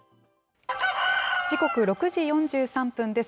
時刻、６時４３分です。